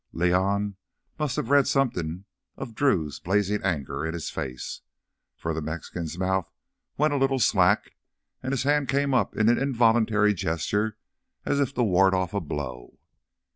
León must have read something of Drew's blazing anger in his face, for the Mexican's mouth went a little slack and his hand came up in an involuntary gesture as if to ward off a blow.